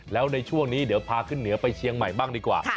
แล้วในช่วงนี้เดี๋ยวพาขึ้นเหนือไปเชียงใหม่บ้างดีกว่า